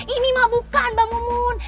ini mah bukan mbak mumun